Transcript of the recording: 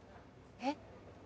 えっ？